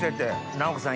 尚子さん